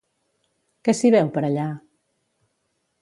Què s'hi veu, per allà?